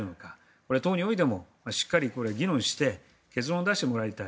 これは党においてもしっかり議論して結論を出してもらいたい。